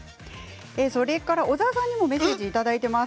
それから小沢さんにもメッセージいただいています。